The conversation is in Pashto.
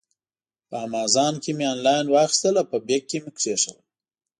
په امازان کې مې آنلاین واخیستل او په بیک کې مې کېښودل.